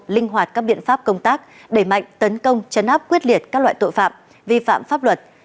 linh hoạt các biện pháp công tác đẩy mạnh tấn công chấn áp quyết liệt các loại tội phạm vi phạm pháp luật